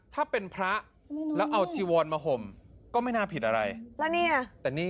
ถ้าเป็นพระแล้วเอาจีวรมาห่มก็ไม่น่าผิดอะไร